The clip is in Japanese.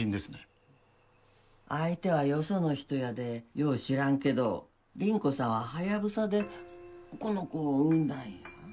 相手はよその人やでよう知らんけど倫子さんはハヤブサでこの子を産んだんや。